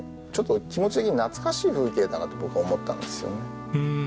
ちょっと気持ち的に懐かしい風景だなって僕思ったんですよね。